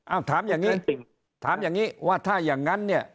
เอาถามอย่างนี้ถามอย่างนี้ว่าถ้าอย่างนั้นเนี่ย